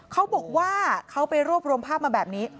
เขาบอกว่าเขาไปรวบรวมภาพมาแบบนี้